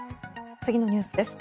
次のニュースです。